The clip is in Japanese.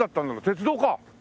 鉄道か？